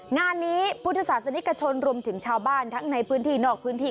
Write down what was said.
งานนี้พุทธศาสนิกชนรวมถึงชาวบ้านทั้งในพื้นที่นอกพื้นที่